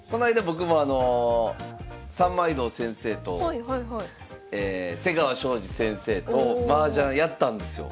僕もあの三枚堂先生と瀬川晶司先生とマージャンやったんですよ。